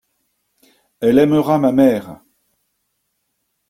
Elle aimera ma mère.